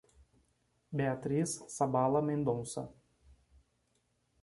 Beatriz Sabala Mendonca